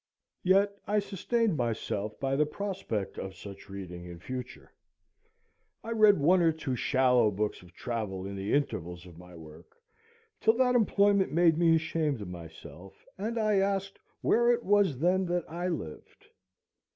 Yet I sustained myself by the prospect of such reading in future. I read one or two shallow books of travel in the intervals of my work, till that employment made me ashamed of myself, and I asked where it was then that I lived.